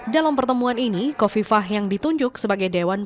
dalam pertemuan ini kofifah yang ditunjuk sebagai dewan perwakilan